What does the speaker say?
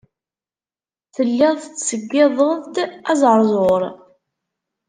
Telliḍ tettṣeyyideḍ-d azeṛzuṛ.